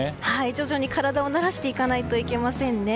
徐々に体を慣らしていかないといけませんね。